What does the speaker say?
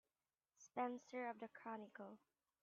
Spencer of the Chronicle.